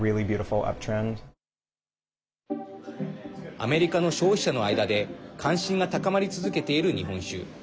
アメリカの消費者の間で関心が高まり続けている日本酒。